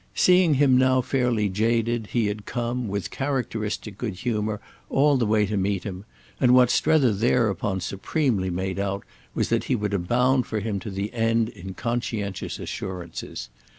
Seeing him now fairly jaded he had come, with characteristic good humour, all the way to meet him, and what Strether thereupon supremely made out was that he would abound for him to the end in conscientious assurances.